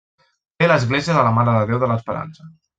Té l'església de la Mare de Déu de l'Esperança.